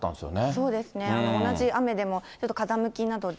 そうですね、同じ雨でも、ちょっと風向きなどで。